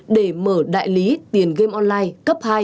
để mở đại lý tiền game online cấp hai